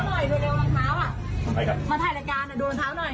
ทำไมครับมาถ่ายรายการนะดูรองเท้าหน่อย